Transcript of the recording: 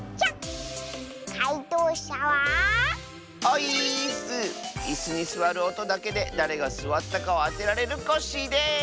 いすにすわるおとだけでだれがすわったかをあてられるコッシーです！